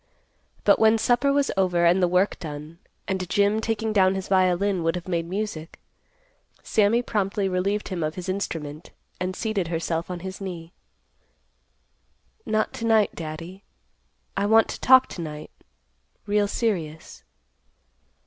But, when supper was over and the work done, and Jim, taking down his violin, would have made music, Sammy promptly relieved him of his instrument, and seated herself on his knee. "Not to night, Daddy. I want to talk to night, real serious."